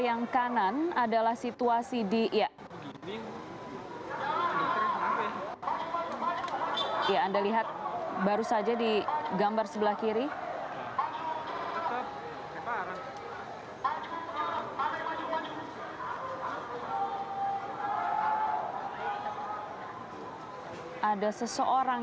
jangan melakukan pelengkaran dan pembahasan